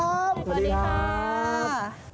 สวัสดีครับ